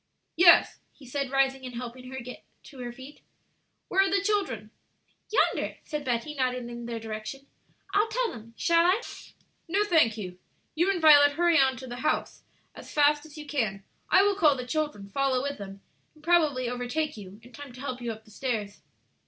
"Yes," he said, rising and helping her to get on her feet. "Where are the children?" "Yonder," said Betty, nodding in their direction. "I'll tell them shall I?" "No, thank you; you and Violet hurry on to the house as fast as you can; I will call the children, follow with them, and probably overtake you in time to help you up the stairs."